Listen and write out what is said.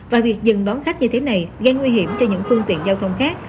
và việc dừng đón khách như thế này gây nguy hiểm cho những phương tiện giao thông khác